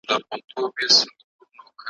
اه او اوف وي نور نو سړی نه پوهیږي ,